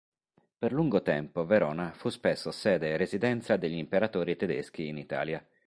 Per lungo tempo Verona fu spesso sede e residenza degli imperatori tedeschi in Italia.